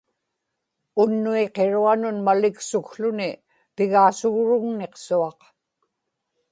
unnuiqiruanun maliksukłuni pigaasugrugniqsuaq